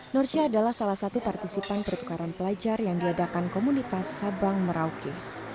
norsyah adalah salah satu partisipan pertukaran pelajar yang diadakan komunitas sabang merauke